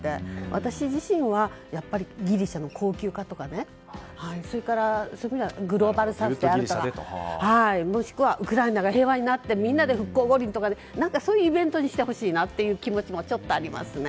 私自身は、ギリシャの高級化とかグローバルサウスやもしくはウクライナが平和になって復興五輪とかそういうイベントにしてほしいという気持ちもちょっとありますね。